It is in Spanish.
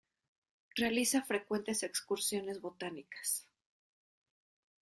Realiza frecuentes excursiones botánicas.